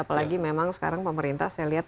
apalagi memang sekarang pemerintah saya lihat